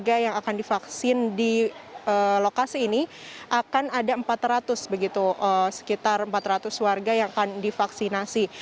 akan ada empat ratus sekitar empat ratus warga yang akan divaksinasi